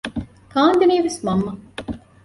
ކާންދެނީވެސް މަންމަ